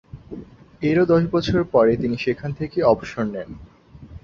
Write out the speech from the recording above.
এরও দশ বছর পরে তিনি সেখান থেকেই অবসর নেন।